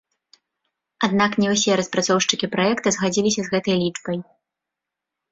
Аднак не ўсе распрацоўшчыкі праекта згадзіліся з гэтай лічбай.